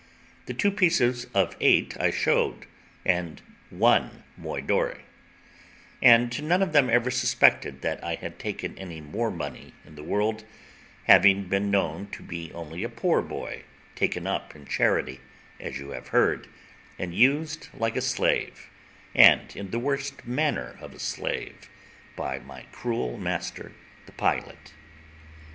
The two pieces of eight I showed, and one moidore, and none of them ever suspected that I had any more money in the world, having been known to be only a poor boy taken up in charity, as you have heard, and used like a slave, and in the worst manner of a slave, by my cruel master the pilot.